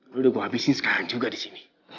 lo udah gue habisin sekarang juga di sini